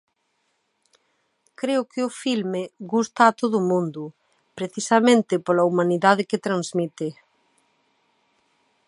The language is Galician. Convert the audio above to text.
Creo que o filme gusta a todo o mundo, precisamente pola humanidade que transmite.